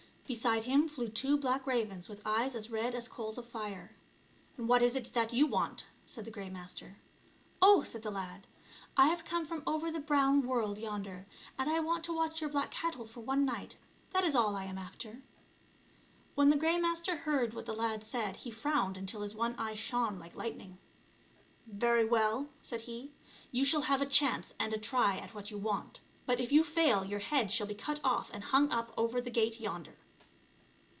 Beside him flew two black ravens with eyes as red as coals of fire. " And what is it that you want ?" said the Grey Master. " Oh !" said the lad, " I have come from over in the brown world yon der, and I want to watch your black cattle for one night, that is all I am after." When the Grey Master heard what the lad said, he frowned until his one eye shone like lightning. "Very well," said he, "you shall have a chance and a try at what you want, but if you fail your head shall be cut off and hung up over the gate yonder."